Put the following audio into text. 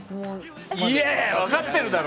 分かってるだろ！